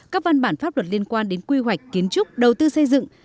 các văn bản pháp luật liên quan đến quy hoạch kiến trúc đầu tư xây dựng